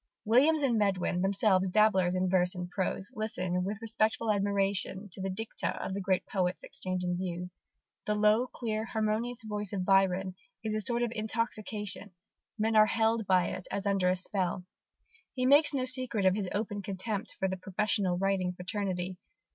Williams and Medwin, themselves dabblers in verse and prose, listen with respectful admiration to the dicta of the great poets exchanging views. The low, clear, harmonious voice of Byron "is a sort of intoxication: men are held by it as under a spell." He makes no secret of his open contempt for the professional writing fraternity.